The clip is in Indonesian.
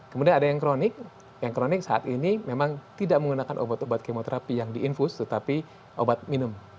kemudian ada yang kronik yang kronik saat ini memang tidak menggunakan obat obat kemoterapi yang diinfus tetapi obat minum